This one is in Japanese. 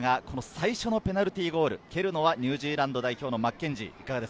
最初のペナルティーゴール、蹴るのはニュージーランド代表のマッケンジー。